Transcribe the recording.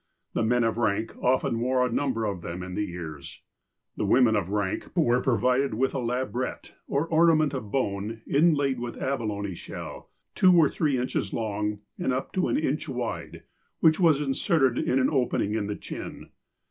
The men of rank often wore a number of them in the ears. The women of rank were provided with a "labrette," or ornament of bone, inlaid with abalone shell, two or three inches long, and up to an inch wide, which was in serted in an opening in the chin.